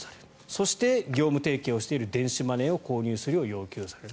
そして、業務提携している電子マネーを購入するよう要求される。